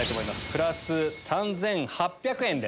プラス３８００円です。